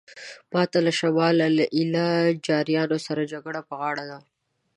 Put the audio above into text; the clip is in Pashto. ماته له شمال له ایله جاریانو سره جګړه په غاړه ده.